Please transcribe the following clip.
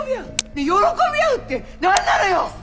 ねっ喜び合うって何なのよ！